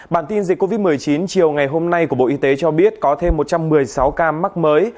bản tin dịch covid một mươi chín chiều ngày hôm nay của bộ y tế cho biết có thêm một trăm một mươi sáu ca mắc mới